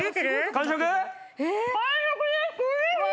完食です。